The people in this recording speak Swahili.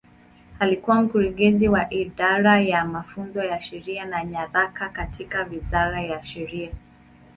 Alikuwa Mkurugenzi wa Idara ya Mafunzo ya Sheria na Nyaraka katika Wizara ya Sheria.